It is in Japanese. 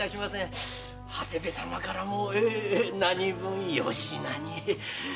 長谷部様からも何分よしなに。